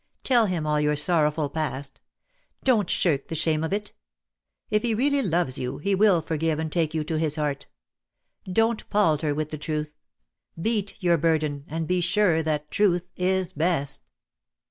Tell him all your sorrowful past. Don't shirk the shame of it. If he really loves you he will .DEAD LOVE HAS CHAINS, 47 forgive and take you to his heart. Don't palter with the truth. Bear your burden; and be sure that truth is best."